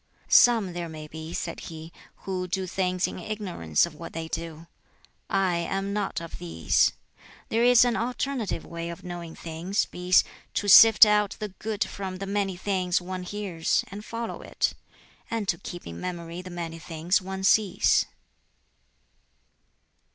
"Some there may be," said he, "who do things in ignorance of what they do. I am not of these. There is an alternative way of knowing things, viz. to sift out the good from the many things one hears, and follow it; and to keep in memory the many things one sees."